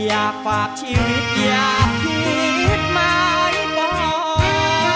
อยากฝากชีวิตอยากคิดหมายความ